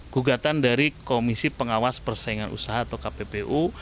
gugatan dari komisi pengawas persaingan usaha atau kppu